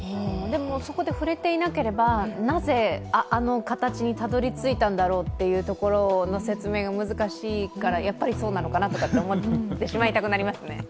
そこで触れていなければなぜあの形にたどり着いたんだろうというところの説明が難しいから、やっぱりそうなのかなと思ってしまいたくなりますね。